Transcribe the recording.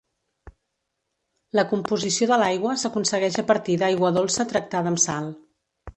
La composició de l'aigua s'aconsegueix a partir d'aigua dolça tractada amb sal.